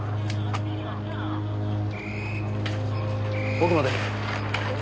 奥まで。